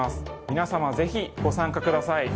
皆様ぜひご参加ください。